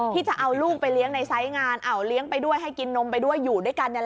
ที่จะเอาลูกไปเลี้ยงในไซส์งานเลี้ยงไปด้วยให้กินนมไปด้วยอยู่ด้วยกัน